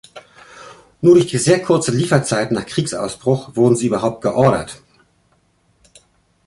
Nur durch die sehr kurze Lieferzeit nach Kriegsausbruch wurden sie überhaupt geordert.